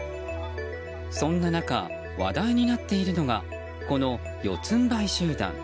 そんな中、話題になっているのがこの四つんばい集団。